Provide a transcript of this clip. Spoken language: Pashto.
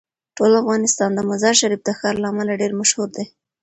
ټول افغانستان د مزارشریف د ښار له امله ډیر مشهور دی.